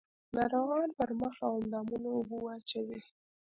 ناروغان پر مخ او اندامونو اوبه واچوي.